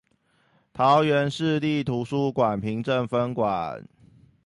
桃園市立圖書館平鎮分館